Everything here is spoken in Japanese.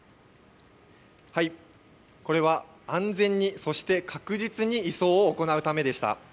これは安全に、そして確実に移送を行うためでした。